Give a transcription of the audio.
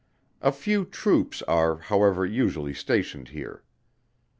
A few troops are, however, usually stationed here.